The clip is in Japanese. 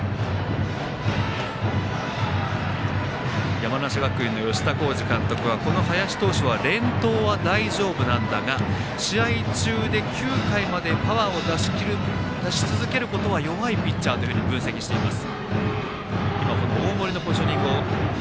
山梨学院の吉田洸二監督はこの林投手は連投は大丈夫なんだが試合中で９回までパワーを出し続けることは弱いピッチャーと分析しています。